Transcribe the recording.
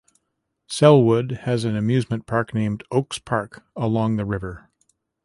Sellwood has an amusement park named Oaks Park along the river.